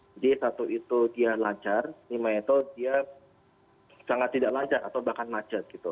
jadi satu itu dia lancar lima itu dia sangat tidak lancar atau bahkan macet gitu